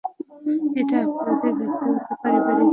এটা আপনাদের ব্যক্তিগত পারিবারিক বিষয়।